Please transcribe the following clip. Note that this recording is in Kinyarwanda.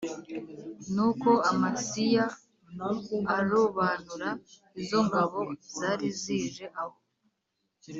Nuko Amasiya arobanura izo ngabo zari zije aho